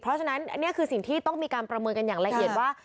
เพราะฉะนั้นอันนี้คือสิ่งที่ต้องมีการประเมินกันอย่างละเอียดว่า